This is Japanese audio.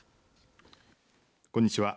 こんにちは。